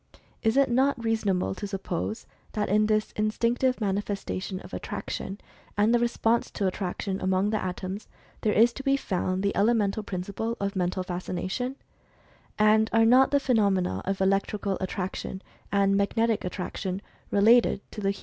Is it not reasonable to suppose that in this instinctive manifestation of Attraction, and the response to Attraction, among the Atoms there is to be found the elemental principle of Mental Fascina 12 Mental Fascination Among Animals 13 tion, and Magnetic Attraction, related to the human tion